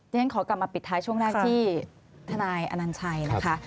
ฉันขอกลับมาปิดท้ายช่วงแรกที่ทนายอนัญชัยนะคะ